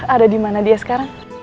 ada dimana dia sekarang